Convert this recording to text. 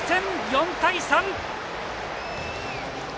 ４対３！